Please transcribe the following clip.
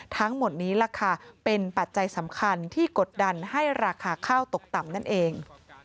ทั้งหมดนี้ล่ะค่ะเป็นปัจจัยสำคัญที่กดดันให้ราคาข้าวตกต่ำนั่นเอง